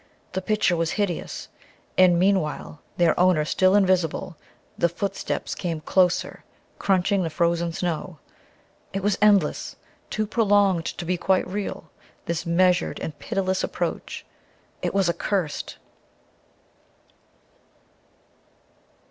The picture was hideous. And, meanwhile, their owner still invisible, the footsteps came closer, crunching the frozen snow. It was endless too prolonged to be quite real this measured and pitiless approach. It was accursed.